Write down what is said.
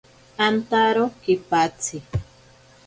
Antaro kipatsi.